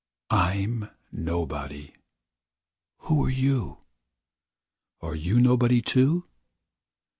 I. I'm nobody! Who are you? Are you nobody, too?